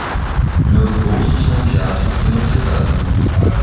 Meus bolsos são de aço inoxidável.